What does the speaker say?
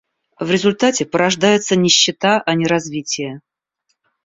В результате порождается нищета, а не развитие.